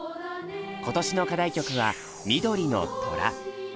今年の課題曲は「緑の虎」。